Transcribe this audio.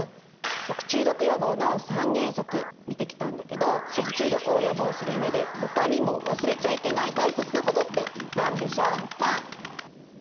食中毒予防の三原則見てきたんだけど食中毒を予防する上でほかにも忘れちゃいけない大切なことって何でしょうか？